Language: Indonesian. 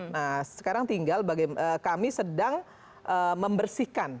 nah sekarang tinggal kami sedang membersihkan